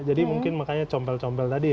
jadi mungkin makanya compel compel tadi ya